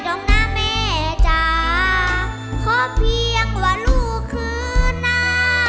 ดองน้าแม่จ้าเพราะเพียงว่าลูกคืนน้า